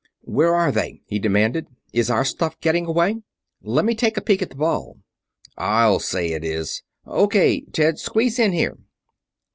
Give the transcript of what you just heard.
"Where are they?" he demanded. "Is our stuff getting away? Lemme take a peek at the Ball!" "I'll say it is! O.K., Ted, squeeze in here!"